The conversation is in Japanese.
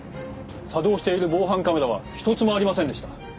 作動している防犯カメラは一つもありませんでした。